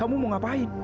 kamu mau ngapain